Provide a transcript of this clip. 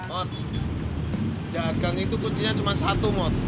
oh jagang itu kuncinya cuma satu mot